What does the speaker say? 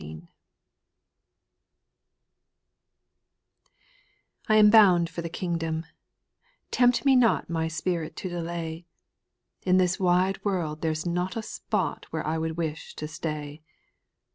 T AM bound for the kingdom 1 Tempt me X not My spirit to delay ; In this wide world there's not a spot Where I would wish to stay.